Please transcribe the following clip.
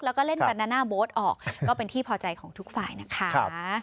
แล้วก็เล่นบานาน่าโบ๊ทออกก็เป็นที่พอใจของทุกฝ่ายนะคะ